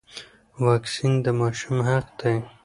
واکسین د ماشوم حق دی.